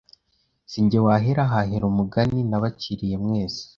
Si jye wahera hahera umugani nabaciriye mwese